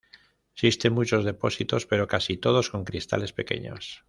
Existen muchos depósitos, pero casi todos con cristales pequeños.